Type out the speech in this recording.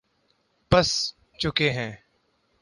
پس چکے ہیں